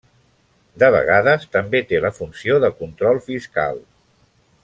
De vegades també té la funció de control fiscal.